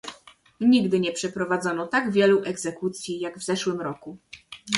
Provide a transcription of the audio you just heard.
Nigdy nie przeprowadzono tak wielu egzekucji, jak w zeszłym roku